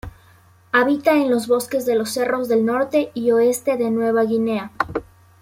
Habita en los bosques de los cerros del norte y oeste de Nueva Guinea.